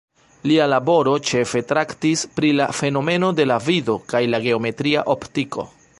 Lia laboro ĉefe traktis pri la fenomeno de la vido kaj la geometria optiko.